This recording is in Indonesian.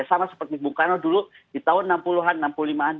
sama seperti bung karno dulu di tahun enam puluh an enam puluh lima an